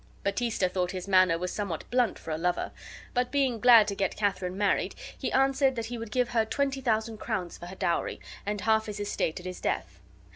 Baptista thought his manner was somewhat blunt for a lover; but, being glad to get Katharine married, he answered that he would give her twenty thousand crowns for her dowry, and half his estate at his death.